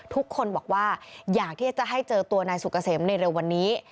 ทุกคนบอกว่าอยากที่จะให้เจอตัวนายสุกเกษมในเร็ววันนี้